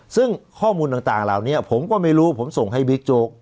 ซึ่งข้อมูลต่างเหล่านี้ผมก็ไม่รู้ผมส่งให้บิ๊กโจ๊ก